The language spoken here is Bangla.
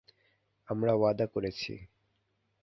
আমরা ওয়াদা করেছি।